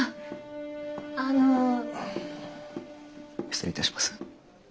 失礼いたします。